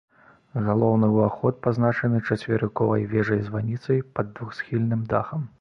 Галоўны ўваход пазначаны чацверыковай вежай-званіцай пад двухсхільным дахам.